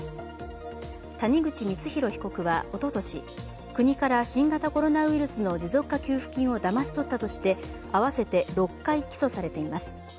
谷口光弘被告はおととし、国から新型コロナウイルスの持続化給付金をだまし取ったとして合わせて６回起訴されています。